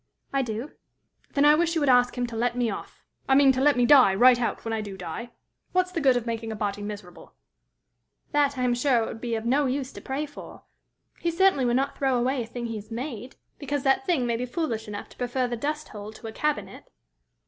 "I do." "Then I wish you would ask him to let me off I mean, to let me die right out when I do die. What's the good of making a body miserable?" "That, I am sure it would be of no use to pray for. He certainly will not throw away a thing he has made, because that thing may be foolish enough to prefer the dust hole to a cabinet."